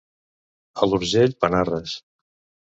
A l'Urgell, panarres.